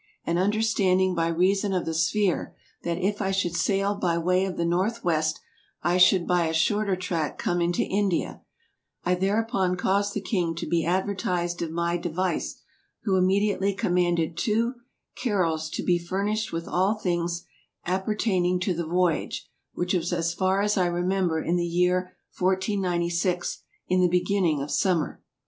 And vnderstanding by reason of the Sphere, that if I should saile by way of the Northwest, I should by a shorter tract come into India, I thereupon caused the King to be aduertised of my deuise, who imme diately commanded two Caruels to bee furnished with all things appertayning to the voyage, which was as farre as I remember in the yeere 1496, in the beginning of Sommer.